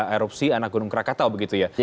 erupsi anak gunung krakatau begitu ya